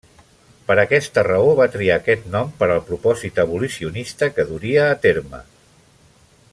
Per aquesta raó, va triar aquest nom per al propòsit abolicionista que duria a terme.